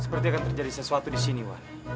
seperti akan terjadi sesuatu di sini